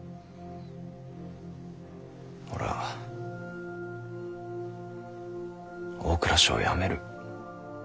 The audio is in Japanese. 俺は大蔵省を辞める。